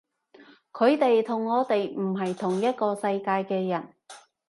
佢哋同我哋唔係同一個世界嘅人